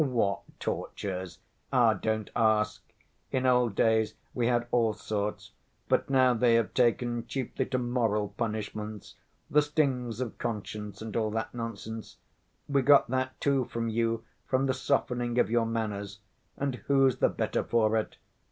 "What tortures? Ah, don't ask. In old days we had all sorts, but now they have taken chiefly to moral punishments—'the stings of conscience' and all that nonsense. We got that, too, from you, from the softening of your manners. And who's the better for it?